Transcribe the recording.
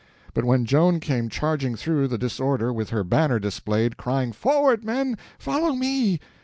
But when Joan came charging through the disorder with her banner displayed, crying "Forward, men—follow me!"